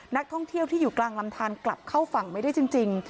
นักท่องเที่ยวที่อยู่กลางลำทานกลับเข้าฝั่งไม่ได้จริง